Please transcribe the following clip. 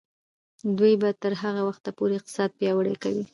دوی به تر هغه وخته پورې اقتصاد پیاوړی کوي.